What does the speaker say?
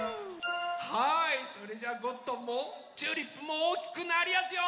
はいそれじゃゴットンもチューリップもおおきくなりやすよ！